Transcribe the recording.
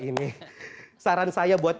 ini saran saya buat